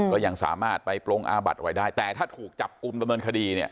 ก็ยังสามารถไปปรงอาบัดอะไรได้แต่ถ้าถูกจับกลุ่มดำเนินคดีเนี่ย